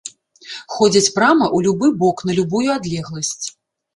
Ходзяць прама ў любы бок на любую адлегласць.